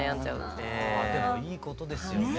でもいいことですよね